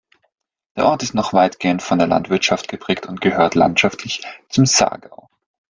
Der Ort ist noch weitgehend von der Landwirtschaft geprägt und gehört landschaftlich zum Saargau.